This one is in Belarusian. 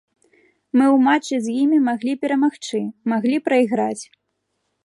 Мы ў матчы з імі маглі перамагчы, маглі прайграць.